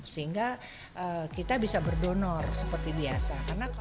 sehingga kita bisa berdonor seperti biasa